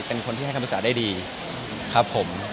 เป็นคนที่ให้คำปรึกษาได้ดีครับผม